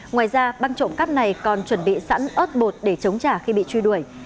ngoài ra băng trộm cắp này còn chuẩn bị sẵn ớt bột để chống trả khi bị truy đuổi